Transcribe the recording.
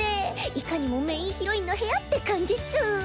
いかにもメインヒロインの部屋って感じっス。